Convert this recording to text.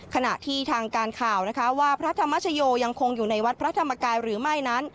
ขณะที่ทางการข่าวนะคะว่าพระธรรมชโยยังคงอยู่ในวัดพระธรรมกายหรือไม่นั้น